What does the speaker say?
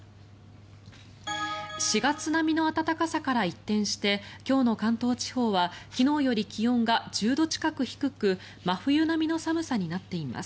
４月並みの暖かさから一転して今日の関東地方は昨日より気温が１０度近く低く真冬並みの寒さになっています。